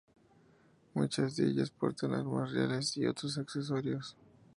Muchas de ellas portan armas reales y otros accesorios.